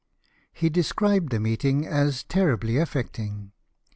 He described the meeting as " terribly affect ing."